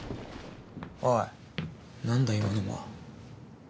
おい何だ今の間。